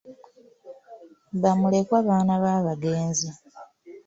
Ba mulekwa baana b'abagenzi.